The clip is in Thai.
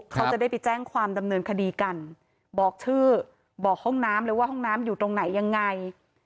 เขาจะได้ไปแจ้งความดำเนินคดีกันบอกชื่อบอกห้องน้ำเลยว่าห้องน้ำอยู่ตรงไหนยังไง